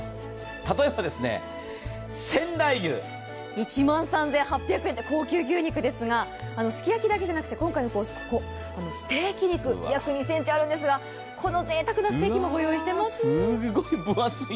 例えば、仙台牛１万３８００円と高級牛肉ですが、すき焼きだけじゃなくて、今回、ステーキ肉、約２ｃｍあるんですがこのぜいたくなステーキもご用意しています。